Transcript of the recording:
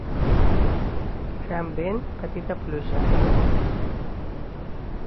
Gran vent, petita pluja.